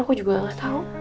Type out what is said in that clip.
aku juga nggak tau